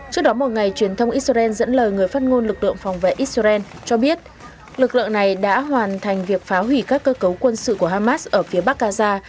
trước đó một ngày truyền thông israel dẫn lời người phát ngôn lực lượng phòng vệ israel cho biết lực lượng này đã hoàn thành việc phá hủy các cơ cấu quân sự của hamas ở phía bắc gaza